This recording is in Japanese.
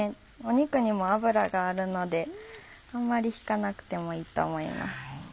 肉にも脂があるのであんまり引かなくてもいいと思います。